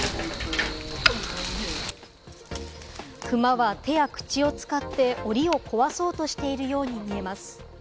クマは手や口を使って檻を壊そうとしているように見えます。